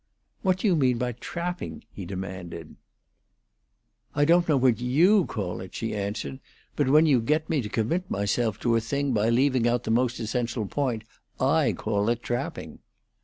"What do you mean by trapping?" he demanded. "I don't know what you call it," she answered; "but when you get me to commit myself to a thing by leaving out the most essential point, I call it trapping."